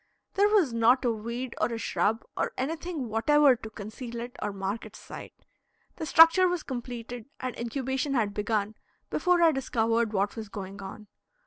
There was not a weed or a shrub or anything whatever to conceal it or mark its site. The structure was completed and incubation had begun before I discovered what was going on.